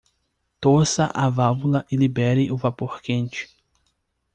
Torça a válvula e libere o vapor quente.